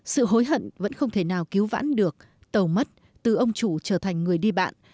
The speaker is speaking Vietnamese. sự hối hận vẫn không thể nào cứu vãn được tàu mất từ ông chủ trở thành người đi bạn